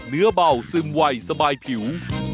เนื้อเบาซึมไวสบายผิว